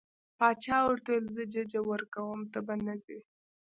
باچا ورته وویل زه ججه ورکوم ته به نه ځې.